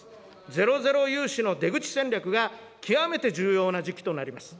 ゼロゼロ融資の出口戦略が極めて重要な時期となります。